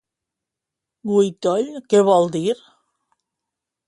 Guitoll què vol dir?